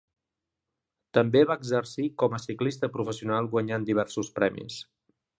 També va exercir com a ciclista professional, guanyant diversos premis.